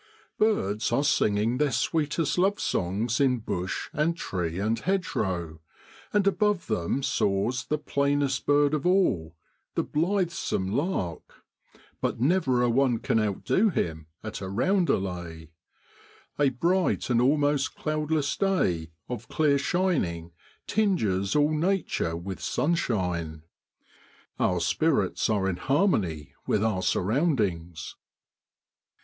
Birds are singing their sweetest love songs in bush and tree and hedgerow, and above them soars the plainest bird of all, the blithesome lark, but never a one can outdo him at a roundelay. A bright and almost cloudless day of clear shining tinges all nature with sunshine. Our spirits are in harmony with our surroundings.